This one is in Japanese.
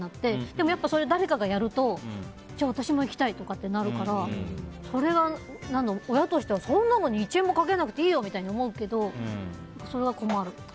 でも誰かがそれやるとじゃあ私も行きたいってなるからそれは親としてはそんなのに１円もかけなくていいよとか思うけど、それは困る。